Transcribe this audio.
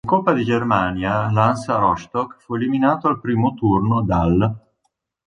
In Coppa di Germania l'Hansa Rostock fu eliminato al primo turno dall'.